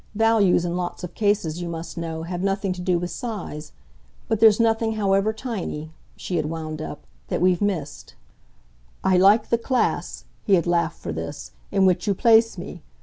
Values, in lots of cases, you must know, have nothing to do with size. But there's nothing, however tiny," she had wound up, "that we've missed." "I like the class," he had laughed for this, "in which you place me!